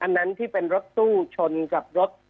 อันนั้นที่เป็นรถตู้ชนกับรถ